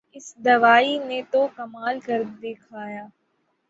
اس دوائی نے تو کمال کر دکھایا